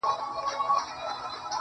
راته يادېږې شپه كړم څنگه تېره.